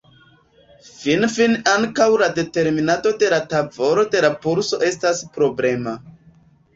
Finfine ankaŭ la determinado de la tavolo de la pulso estas problema.